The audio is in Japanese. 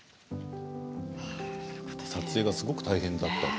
撮影がすごく大変だったって。